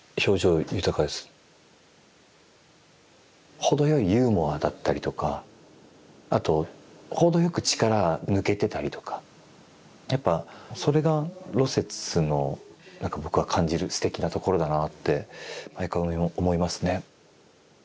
程よいユーモアだったりとかあと程よく力抜けてたりとかやっぱそれが芦雪の何か僕が感じるすてきなところだなあって毎回思いますね。